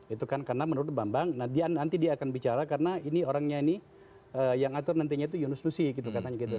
itu kan karena menurut bambang nanti dia akan bicara karena ini orangnya ini yang atur nantinya itu yunus nusi gitu katanya gitu